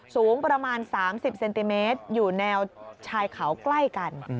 สูงประมาณ๓๐เซนติเมตรอยู่แนวชายเขาใกล้กัน